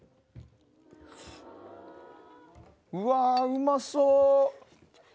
うわうまそう！